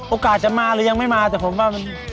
โอกาสจะมาหรือยังไม่มาแต่ผมว่ามัน